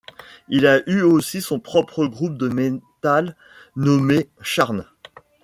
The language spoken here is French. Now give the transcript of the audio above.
Il a aussi eu son propre groupe de Metal nommé Charn.